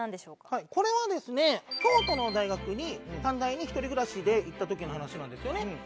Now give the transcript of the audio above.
はいこれはですね京都の大学に短大に一人暮らしで行った時の話なんですよね。